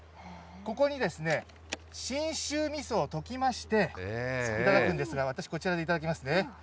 ここに信州みそを溶きまして、頂くんですが、私、こちらで頂きますね。